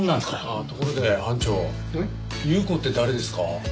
あっところで班長祐子って誰ですか？